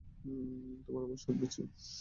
তোমাকে আমার শার্ট দিচ্ছি।